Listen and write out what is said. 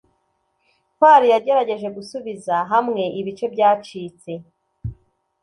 ntwali yagerageje gusubiza hamwe ibice byacitse